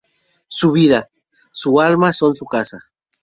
Su vida, su alma son su casa.